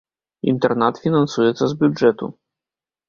Інтэрнат фінансуецца з бюджэту.